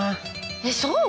えっそう？